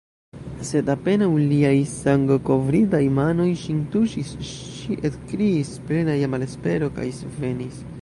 Sed apenaŭ liaj sangokovritaj manoj ŝin tuŝis, ŝi ekkriis, plena je malespero, kaj svenis.